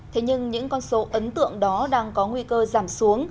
thế nhưng những con số ấn tượng đó đang có nguy cơ giảm xuống